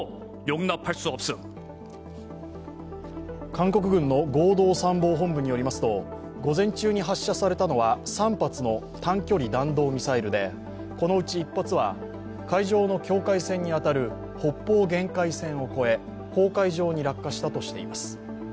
韓国軍の合同参謀本部によりますと、午前中に発射されたのは３発の短距離弾道ミサイルでこのうち１発は海上の境界線に当たる北方限界線をこえ黄海上に落下したとしています。